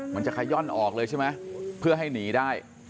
ขย่อนออกเลยใช่ไหมเพื่อให้หนีได้